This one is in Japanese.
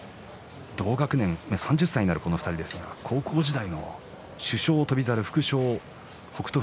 同学年、３０歳になる２人ですが高校時代の主将翔猿副将北勝